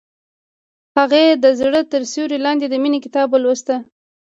هغې د زړه تر سیوري لاندې د مینې کتاب ولوست.